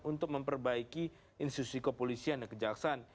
untuk memperbaiki institusi kepolisian dan kejaksaan